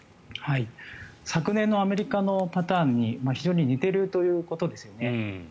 昨年のアメリカのパターンに非常に似ているということですよね。